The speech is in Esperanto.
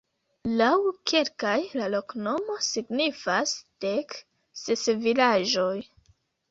Laŭ kelkaj la loknomo signifas: dek ses vilaĝoj.